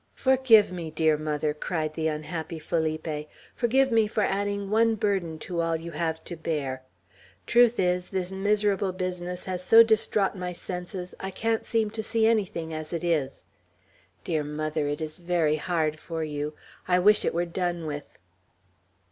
"Forgive me, dear mother," cried the unhappy Felipe. "Forgive me for adding one burden to all you have to bear. Truth is, this miserable business has so distraught my senses, I can't seem to see anything as it is. Dear mother, it is very hard for you. I wish it were done with."